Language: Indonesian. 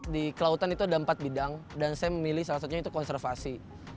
di kelautan itu ada empat bidang dan saya memilih salah satunya itu konservasi